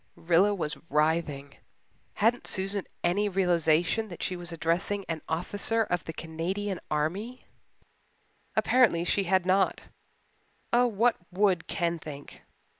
Rilla was writhing. Hadn't Susan any realization that she was addressing an officer of the Canadian Army? Apparently she had not. Oh, what would Ken think?